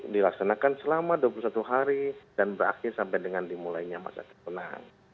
dilaksanakan selama dua puluh satu hari dan berakhir sampai dengan dimulainya masa tenang